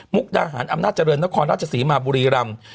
ดาหารอำนาจเจริญนครราชศรีมาบุรีรำ